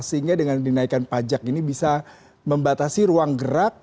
sehingga dengan dinaikkan pajak ini bisa membatasi ruang gerak